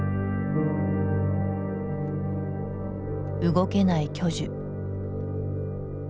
動けない巨樹。